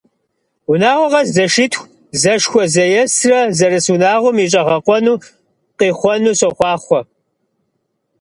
Унагъуэ къэс зэшитху зэшхуэзэесрэ зэрыс унагъуэм и щӀэгъэкъуэну къихъуэну сохъуахъуэ!